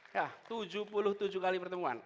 ya tujuh puluh tujuh kali pertemuan